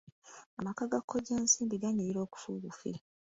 Amaka ga kkoja Nsimbi ganyirira okufaako obufi.